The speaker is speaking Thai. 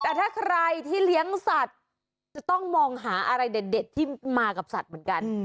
แต่ถ้าใครที่เลี้ยงสัตว์จะต้องมองหาอะไรเด็ดที่มากับสัตว์เหมือนกัน